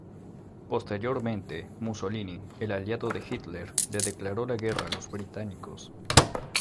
Posteriormente, Mussolini, el aliado de Hitler, le declaró la guerra a los británicos.